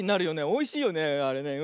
おいしいよねあれね。